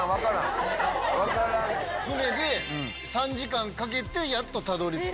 船で３時間かけてやっとたどり着く。